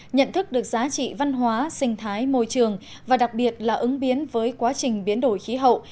nhận thức được giá trị văn hóa sinh thái môi trường và đặc biệt là ứng biến với quá trình biến đổi khí hậu